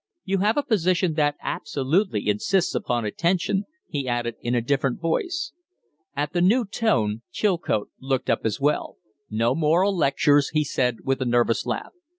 "You have a position that absolutely insists upon attention," he added, in a different voice. At the new tone Chilcote looked up as well. "No moral lectures!" he said, with a nervous laugh.